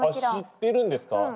あ知ってるんですか？